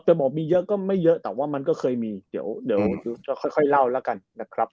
บอกมีเยอะก็ไม่เยอะแต่ว่ามันก็เคยมีเดี๋ยวค่อยเล่าแล้วกันนะครับ